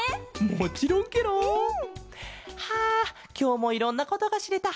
もちろんケロ！はあきょうもいろんなことがしれた。